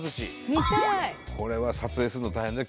これは撮影するの大変だよ